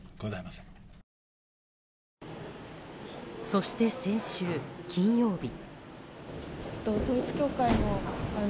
そして、先週金曜日。